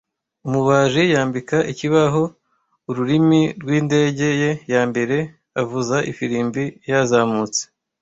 Umubaji yambika ikibaho, ururimi rwindege ye yambere avuza ifirimbi yazamutse,